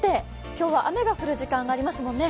今日は雨が降る時間がありますもんね。